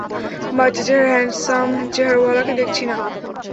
বাচ্চা চেহারা, হ্যান্ডসাম চেহারাওয়ালাকে দেখছি না।